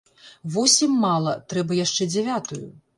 Восем мала, трэба яшчэ дзявятую!